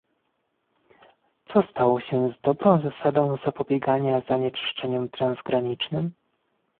co stało się z dobrą zasadą zapobiegania zanieczyszczeniom transgranicznym?